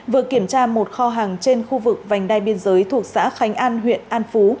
vừa kiểm tra một kho hàng trên khu vực vành đai biên giới thuộc xã khánh an huyện an phú